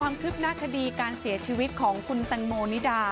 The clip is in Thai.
ความคืบหน้าคดีการเสียชีวิตของคุณแตงโมนิดา